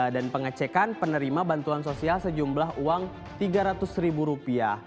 dan pengecekan penerima bantuan sosial sejumlah uang tiga ratus ribu rupiah